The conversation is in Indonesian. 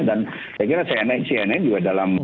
saya kira cnn juga dalam